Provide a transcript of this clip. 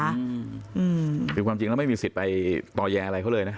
ถือความจริงแล้วไม่มีศิษย์ไปต่อย้าอะไรเขาเลยนะ